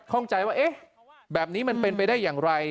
ข้องใจว่าเอ๊ะแบบนี้มันเป็นไปได้อย่างไร